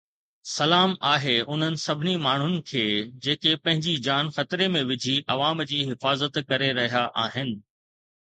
سلام آهي انهن سڀني ماڻهن کي جيڪي پنهنجي جان خطري ۾ وجهي عوام جي حفاظت ڪري رهيا آهن.